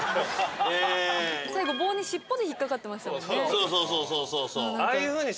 そうそうそうそう。